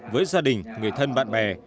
với gia đình người thân bạn bè